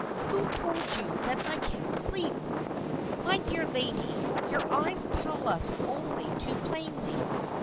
"Who told you that I can't sleep?" "My dear lady, your eyes tell us only too plainly.